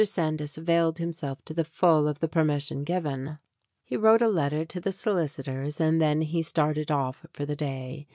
Sandys availed himself to the full of the per mission given. He wrote a letter to the solicitors, and then he started off for the day.